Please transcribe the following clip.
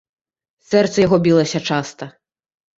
Сэрца яго білася часта.